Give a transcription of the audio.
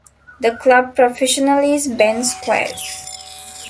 The Club Professional is Ben Squires.